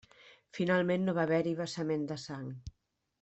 Finalment no va haver-hi vessament de sang.